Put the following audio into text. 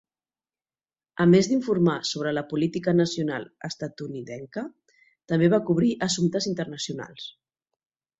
A més d'informar sobre la política nacional estatunidenca, també va cobrir assumptes internacionals.